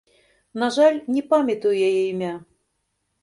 На жаль, не памятаю яе імя.